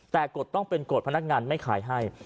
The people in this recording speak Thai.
แต่กฎต้องเป็นกฎพนักงานไม่ขายให้